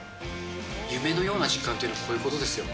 夢のような時間というのは、こういうことですよ。